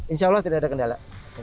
insya allah tidak ada kendala